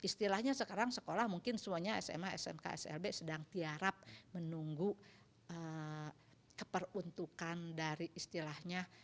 istilahnya sekarang sekolah mungkin semuanya sma smk slb sedang tiarap menunggu keperuntukan dari istilahnya